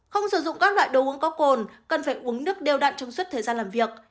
không sử dụng các loại đồ uống có cồn cần phải uống nước đều đặn trong suốt thời gian làm việc